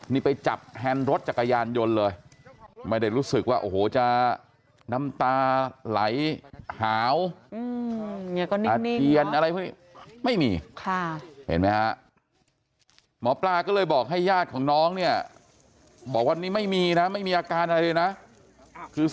นี่ค่ะคือน้องบอกกล้องไห้กลัวหมีนกลัวหมอปลาหรืออะไรยังไงก็ไม่รู้